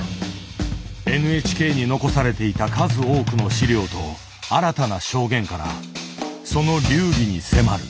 ＮＨＫに残されていた数多くの資料と新たな証言からその流儀に迫る。